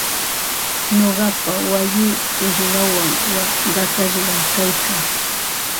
Nuqapa wayii uqshawan qatashqam kaykan.